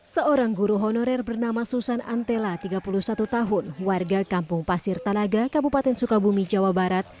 seorang guru honorer bernama susan antela tiga puluh satu tahun warga kampung pasir tanaga kabupaten sukabumi jawa barat